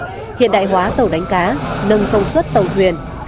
theo nghị định sáu mươi bảy hiện đại hóa tàu đánh cá nâng sông xuất tàu thuyền